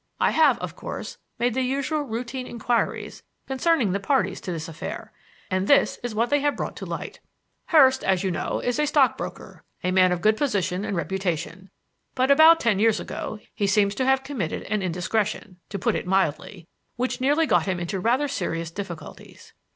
I have, of course, made the usual routine inquiries concerning the parties to this affair, and this is what they have brought to light: "Hurst, as you know, is a stockbroker a man of good position and reputation; but, about ten years ago, he seems to have committed an indiscretion, to put it mildly, which nearly got him into rather serious difficulties.